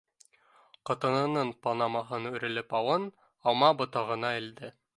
Ҡатынының панамаһын үрелеп алың алма ботағына элде